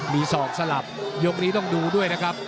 มีศอกสลับยกนี้ต้องดูด้วยนะครับ